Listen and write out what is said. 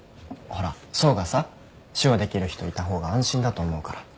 ほら想がさ手話できる人いた方が安心だと思うから。